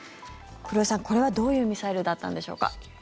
黒井さん、これはどういうミサイルだったんでしょうか。